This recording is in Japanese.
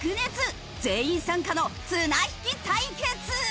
全員参加の綱引き対決！